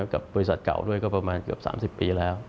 กับบริษัทเก่าด้วยก็ประมาณเกือบ๓๐ปีแล้ว